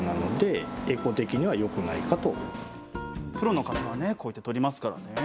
プロの方はこうやって取りますからね。